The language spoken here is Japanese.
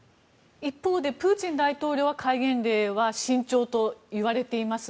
一方でプーチン大統領は戒厳令は慎重といわれています。